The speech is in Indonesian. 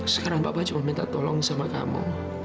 sekarang bapak cuma minta tolong sama kamu